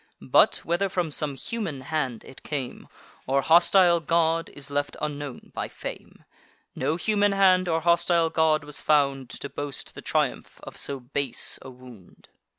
But, whether from some human hand it came, Or hostile god, is left unknown by fame: No human hand or hostile god was found, To boast the triumph of so base a wound.